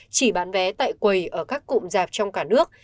chỉ bán vé tại quầy ở các cụm rạp trong cả nước